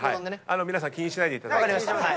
皆さん気にしないでいただいて。